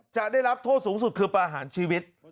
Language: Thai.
จะได้รับโทษสูงสุดคือประหารชีวิต